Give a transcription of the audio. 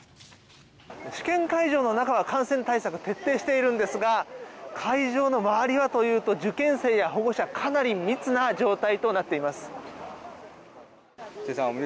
試験会場の中は感染対策徹底しているんですが会場の周りはというと受験生や保護者かなり密な状態となっています。